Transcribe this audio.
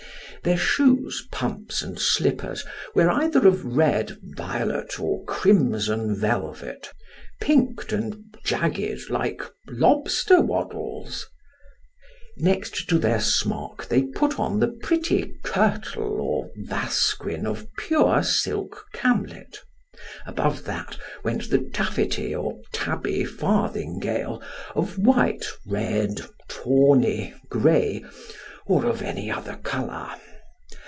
Their shoes, pumps, and slippers were either of red, violet, or crimson velvet, pinked and jagged like lobster waddles. Next to their smock they put on the pretty kirtle or vasquin of pure silk camlet: above that went the taffety or tabby farthingale, of white, red, tawny, grey, or of any other colour.